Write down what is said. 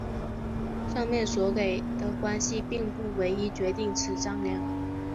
上面所给的关系并不唯一决定此张量。